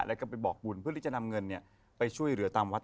แล้วก็ไปบอกบุญเพื่อที่จะนำเงินไปช่วยเหลือตามวัด